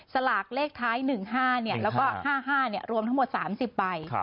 สลากเลขท้าย๑๕แล้วก็๕๕รวมทั้งหมด๓๐ใบ